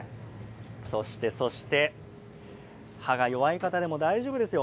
そしてそして歯が弱い方でも大丈夫ですよ